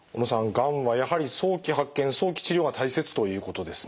がんはやはり早期発見早期治療が大切ということですね。